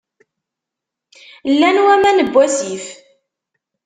Llan waman n wasif.